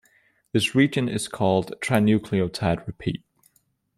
This region is called a trinucleotide repeat.